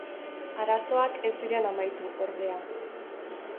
Arazoak ez ziren amaitu, ordea.